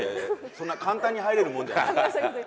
そんな簡単に入れるもんじゃない。